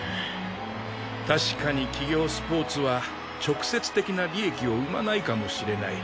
確かに企業スポーツは直接的な利益を生まないかもしれない。